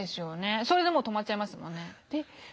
それでもう止まっちゃいますもんね。